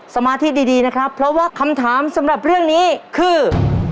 สมาธิดีนะครับเพราะว่าคำถามสำหรับเรื่องนี้คือ